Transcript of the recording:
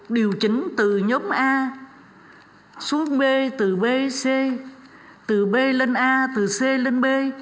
điều chỉnh từ nhóm a xuống b từ b c từ b lên a từ c lên b